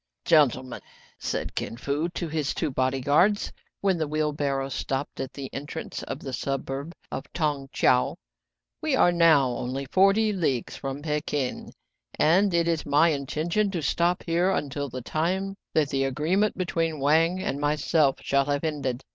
'* "Gentlemen," said Kin Fo to his two body guards, when the wheelbarrow stopped at the en trance to the suburb of Tong Tcheou, "we are now only forty leagues from Pekin, and it is my inten tion to stop here until the time that the agree ment between Wang and myself shall have ended.